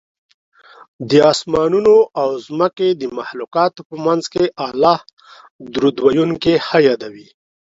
د اسمانونو او ځمکې د مخلوقاتو په منځ کې الله درود ویونکی ښه یادوي